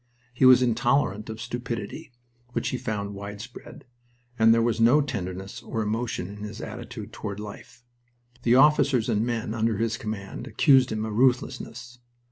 He was intolerant of stupidity, which he found widespread, and there was no tenderness or emotion in his attitude toward life. The officers and men under his command accused him of ruthlessness.